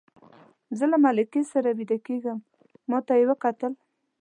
زه له ملکې سره ویده کېږم، ما ته یې وکتل.